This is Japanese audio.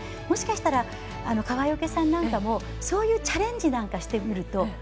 もしかしたら、川除さんなんかもそういうチャレンジなんかしてみると。